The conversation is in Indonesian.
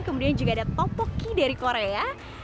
kemudian juga ada topoki dari korea